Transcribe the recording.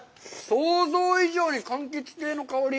想像以上にかんきつ系の香り。